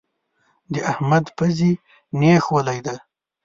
د احمد پزې نېښ ولی دی.